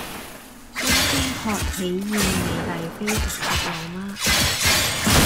今天喝喜宴美麗非常的老媽